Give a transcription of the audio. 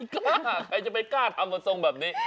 กล้าไม่กล้าใครจะไปกล้าทำตรงแบบนี้